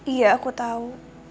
iya aku tahu